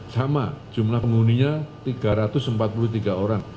sama jumlah penghuninya tiga ratus empat puluh tiga orang